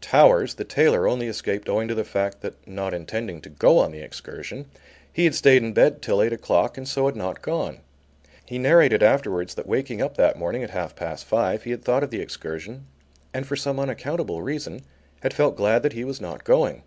Towers, the tailor, only escaped owing to the fact that, not intending to go on the excursion he had stayed in bed till eight o'clock and so had not gone. He narrated afterwards that waking up that morning at half past five, he had thought of the excursion and for some unaccountable reason had felt glad that he was not going.